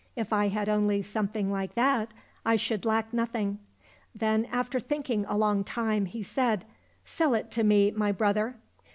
If I had only something like that I should lack nothing ;" then, after thinking a long time, he said, " Sell it to me, my brother."